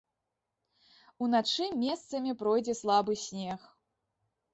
Уначы месцамі пройдзе слабы снег.